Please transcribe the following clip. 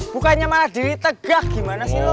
bukannya malah diri tegak gimana sih lo